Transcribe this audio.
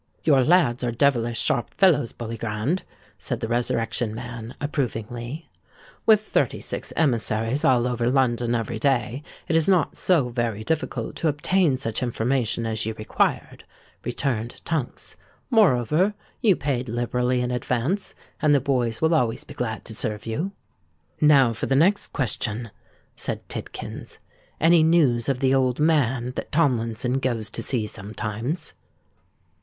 "Your lads are devilish sharp fellows, Bully Grand," said the Resurrection Man, approvingly. "With thirty six emissaries all over London every day, it is not so very difficult to obtain such information as you required," returned Tunks. "Moreover, you paid liberally in advance; and the boys will always be glad to serve you." "Now for the next question," said Tidkins. "Any news of the old man that Tomlinson goes to see sometimes?"